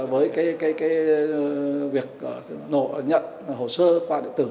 với cái cái cái việc nhận hồ sơ qua điện tử